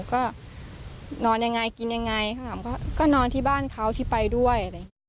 ก็นอนยังไงกินยังไงก็นอนที่บ้านเค้าที่ไปด้วย